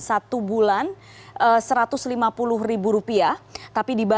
satu bulan rp satu ratus lima puluh tapi dibayar